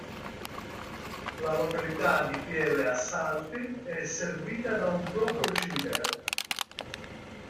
La località di Pieve a Salti è servita da un proprio cimitero.